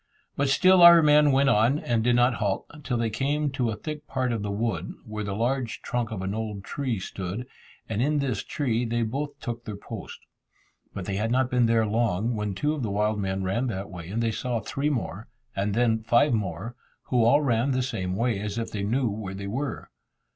But still our men went on, and did not halt, till they came to a thick part of the wood, where the large trunk of an old tree stood, and in this tree they both took their post. But they had not been there long, when two of the wild men ran that way, and they saw three more, and then five more, who all ran the same way, as if they knew where they were.